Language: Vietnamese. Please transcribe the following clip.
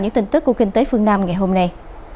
những tin tức của kinh tế phương nam ngày hôm nay